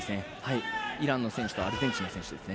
イランの選手とアルゼンチンの選手ですね。